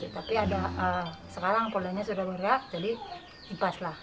tapi sekarang poldanya sudah bergerak jadi dipas lah